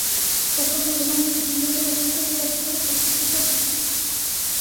Pasó más de un año investigando la fuente del tercer tipo de estática.